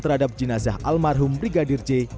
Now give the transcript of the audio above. terhadap jenazah almarhum brigadir j